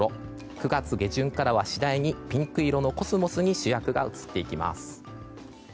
９月下旬ごろからは次第にピンク色のコスモスに主役が移っていきます。